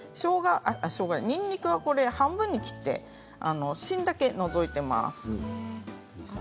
にんにくは半分に切って芯だけ除いています。